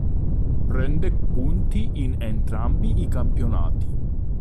Prende punti in entrambi i campionati.